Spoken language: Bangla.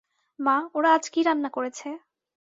মা, ওরা আজ কী রান্না করেছে?